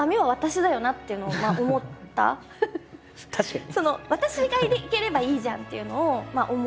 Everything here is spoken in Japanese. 確かに。